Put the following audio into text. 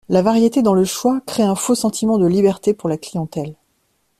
La variété dans le choix crée un faux sentiment de liberté pour la clientèle.